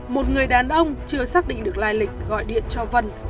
một người đàn ông chưa xác định được lai lịch gọi điện cho vân